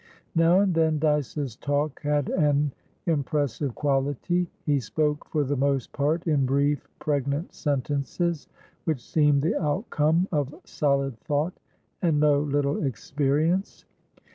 Now and then Dyce's talk had an impressive quality; he spoke for the most part in brief, pregnant sentences, which seemed the outcome of solid thought and no little experience.